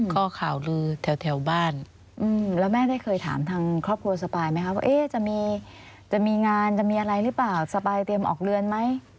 ข่าวลือแถวบ้านแล้วแม่ได้เคยถามทางครอบครัวสปายไหมคะว่าจะมีงานจะมีอะไรหรือเปล่าสปายเตรียมออกเรือนไหม